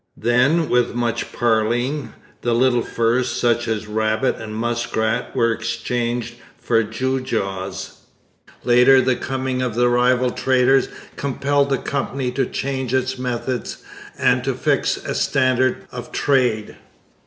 Then with much parleying the little furs such as rabbit and muskrat were exchanged for the gewgaws. Later, the coming of rival traders compelled the Company to change its methods and to fix a standard of trade.